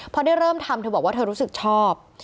พอได้เริ่มทำเธอบอกว่าเธอรู้สึกชอบ